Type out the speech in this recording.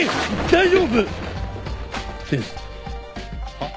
はっ？